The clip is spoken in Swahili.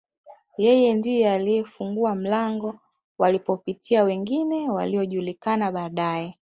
Yeye ndiye aliyefungua mlango walipopitia wengine waliojulikana baadae